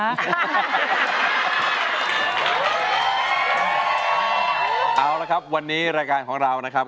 เอาละครับวันนี้รายการของเรานะครับ